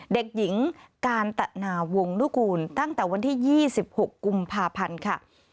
เด็กหญิงกาญตนาวงนุกูลตั้งแต่วันที่๒๖กุมภาพันธ์ค่ะ